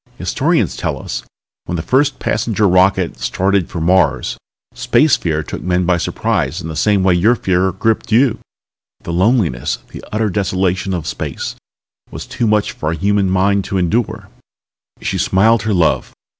Historians tell us that when the first passenger rocket started out for Mars, Space Fear took men by surprise in the same way your fear gripped you. The loneliness, the utter desolation of space, was too much for a human mind to endure." She smiled her love.